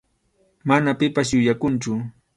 Mana pipas yuyakunchu.